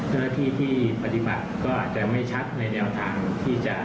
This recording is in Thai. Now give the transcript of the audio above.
ซึ่งอันนี้เราก็ทบทวนเพื่อที่จะวางแนวทางปฏิบัติ